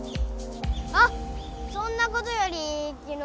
あそんなことよりきのう